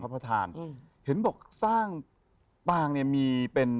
พระพุทธพิบูรณ์ท่านาภิรม